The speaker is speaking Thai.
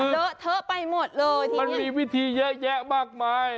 เลอะเทอะไปหมดเลยจริงมันมีวิธีเยอะแยะมากมาย